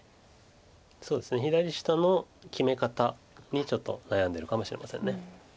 そうですね左下の決め方にちょっと悩んでるかもしれません。